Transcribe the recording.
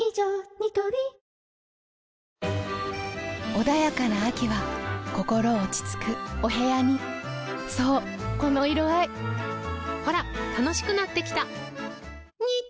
ニトリ穏やかな秋は心落ち着くお部屋にそうこの色合いほら楽しくなってきた！